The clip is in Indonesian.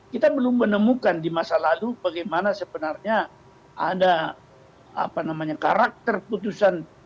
kita belum menemukan di masa lalu bagaimana sebenarnya ada karakter putusan